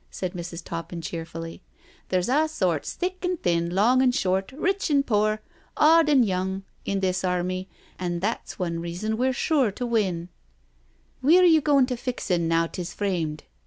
said Mrs. Toppin cheerfully. '* Theer's a' sorts, thick an' thin> long an' short, rich an' poor, auld an' young in this army, and that's one reason we're sure to win I •.. Wheere yo' goin' to fix un now 'tis framed?"